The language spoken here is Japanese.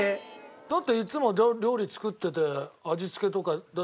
だっていつも料理作ってて味付けとかだって。